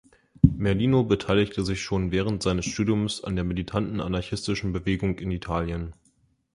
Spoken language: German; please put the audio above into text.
Merlino beteiligte sich schon während seines Studiums an der militanten anarchistischen Bewegung in Italien.